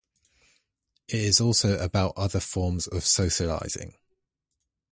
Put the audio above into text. It is also about other forms of socializing.